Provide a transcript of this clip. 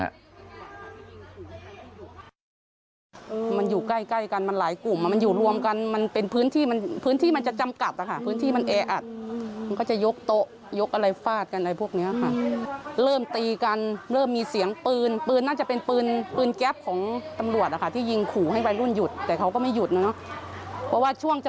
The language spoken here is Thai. มันอยู่ใกล้ใกล้กันมันหลายกลุ่มอ่ะมันอยู่รวมกันมันเป็นพื้นที่มันพื้นที่มันจะจำกัดอะค่ะพื้นที่มันแออัดมันก็จะยกโต๊ะยกอะไรฟาดกันอะไรพวกเนี้ยค่ะเริ่มตีกันเริ่มมีเสียงปืนปืนน่าจะเป็นปืนปืนแก๊ปของตำรวจอ่ะค่ะที่ยิงขู่ให้วัยรุ่นหยุดแต่เขาก็ไม่หยุดเนอะเพราะว่าช่วงจะ